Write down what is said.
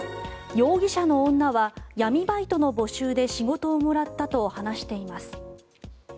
容疑者の女は闇バイトの募集で仕事をもらったと話しています。